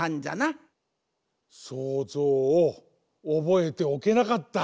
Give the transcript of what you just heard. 想像をおぼえておけなかった。